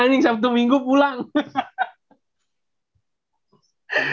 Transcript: anjing sabtu minggu pulang